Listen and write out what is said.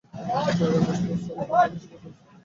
প্রায় আড়াই মাস পর সালাহ উদ্দিনের সঙ্গে তাঁর স্ত্রীর দেখা হলো।